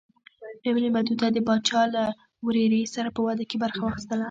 ابن بطوطه د پاچا له ورېرې سره په واده کې برخه واخیستله.